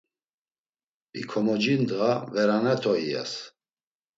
Vikomoci ndğa verane to iyas.